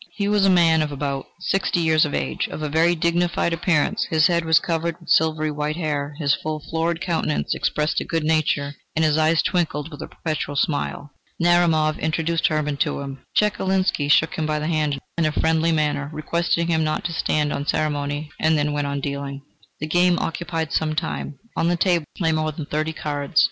He was a man of about sixty years of age, of a very dignified appearance; his head was covered with silvery white hair; his full, florid countenance expressed good nature, and his eyes twinkled with a perpetual smile. Narumov introduced Hermann to him. Chekalinsky shook him by the hand in a friendly manner, requested him not to stand on ceremony, and then went on dealing. The game occupied some time. On the table lay more than thirty cards.